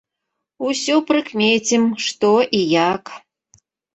Усё прыкмецім, што і як.